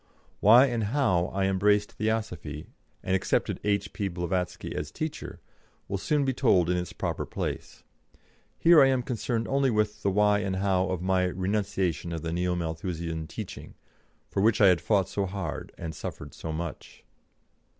Why and how I embraced Theosophy, and accepted H.P. Blavatsky as teacher, will soon be told in its proper place. Here I am concerned only with the why and how of my renunciation of the Neo Malthusian teaching, for which I had fought so hard and suffered so much.